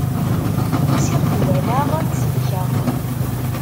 Usiɣ-d, walaɣ, selkeɣ.